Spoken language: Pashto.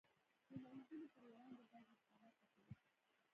د ننګونو پر وړاندې باید مقاومت وکړي.